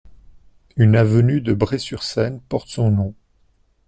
Une avenue de Bray-sur-Seine porte son nom.